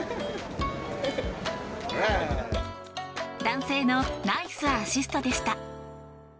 男性のナイスアシストでした。